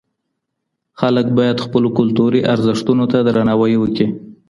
خلګ بايد خپلو کلتوري ارزښتونو ته درناوی وکړي.